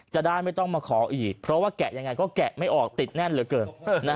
จะได้ไม่ต้องมาขออีกเพราะว่าแกะยังไงก็แกะไม่ออกติดแน่นเหลือเกิน